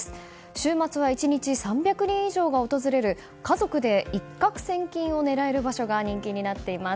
週末は１日３００人以上が訪れる家族で一獲千金を狙える場所が人気になっています。